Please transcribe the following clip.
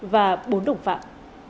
và bốn đồng phạm